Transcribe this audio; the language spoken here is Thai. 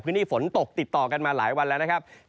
ฝนตกติดต่อกันมาหลายวันแล้วนะครับ